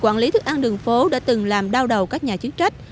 quản lý thức ăn đường phố đã từng làm đau đầu các nhà chức trách